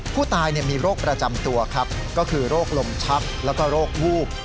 ผู้ตายมีโรคประจำตัวครับก็คือโรคลมชักแล้วก็โรควูบ